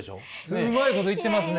すごいこといってますね！